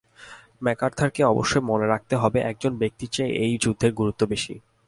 ম্যাকআর্থারকে অবশ্যই মনে রাখতে হবে একজন ব্যক্তির চেয়ে এই যুদ্ধের গুরুত্ব বেশি।